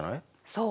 そう。